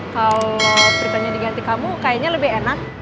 kalau beritanya diganti kamu kayaknya lebih enak